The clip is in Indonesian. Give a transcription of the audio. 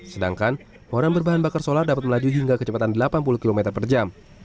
sedangkan moram berbahan bakar solar dapat melaju hingga kecepatan delapan puluh km per jam